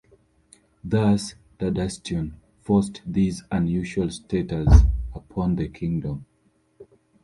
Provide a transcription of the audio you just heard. Thus, Tadatsune forced this unusual status upon the Kingdom.